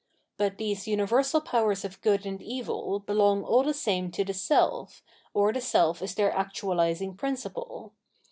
But these universal powers of good and evil belong all the same to the self, or the self is their actualising principle.